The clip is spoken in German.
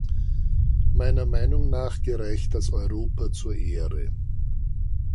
Meiner Meinung nach gereicht das Europa zur Ehre.